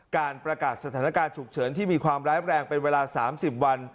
การประกาศสถานการณ์ฉุกเฉินที่มีความร้ายแรงเป็นเวลา๓๐วัน